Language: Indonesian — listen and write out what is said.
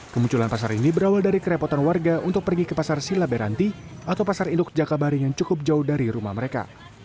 kemunculan pasar ini berawal dari kerepotan warga untuk pergi ke pasar silaberanti atau pasar induk jakabaring yang cukup jauh dari rumah mereka